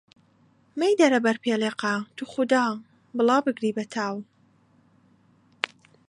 مەیدەرە بەر پێلەقە، توخودا، بڵا بگری بە تاو!